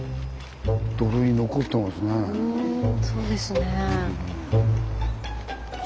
うんそうですね。